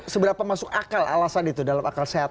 seberapa masuk akal alasan itu dalam akal sehat